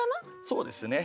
そうですね。